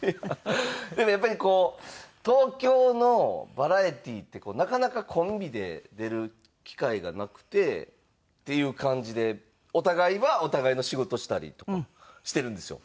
でもやっぱりこう東京のバラエティーってなかなかコンビで出る機会がなくてっていう感じでお互いはお互いの仕事したりとかしてるんですよ。